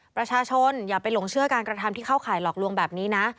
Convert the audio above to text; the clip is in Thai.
อย่าไปหลงเชื่อการกระทำที่เข้าข่ายหลอกลวงแบบนี้นะ